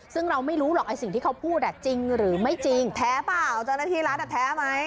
ซึ่งเราไม่รู้หรอกไอ้สิ่งที่เขาพูดจริงหรือไม่จริงแท้เปล่าเจ้าหน้าที่รัฐแท้ไหม